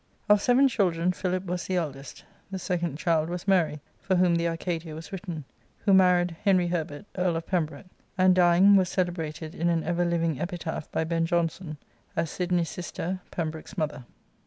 " Of seven children Philip was the eldest ; the second child was Mary, for whom the "Arcadia" was written, who married .Henry Herbert, Earl of Pem broke, and, dying, was celebrated in an ever living epitaph by Ben Jonson, as " Sidney's sister, Pembroke's mother."